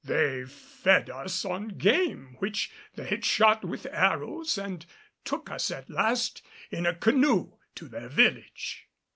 They fed us on game which they had shot with arrows, and took us at last in a canoe to their village.